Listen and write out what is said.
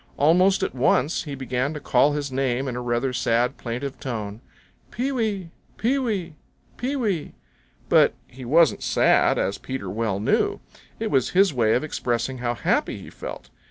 Almost at once he began to call his name in a rather sad, plaintive tone, "Pee wee! Pee wee! Pee wee!" But he wasn't sad, as Peter well knew. It was his way of expressing how happy he felt.